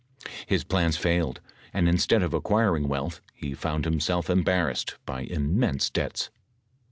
His plans failed, and instead of acquiring wealth, he found him self embarrassed by immense debts.